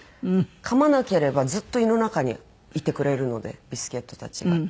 かまなければずっと胃の中にいてくれるのでビスケットたちが。